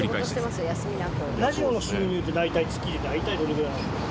ラジオの収入って月大体どれぐらいなんですか？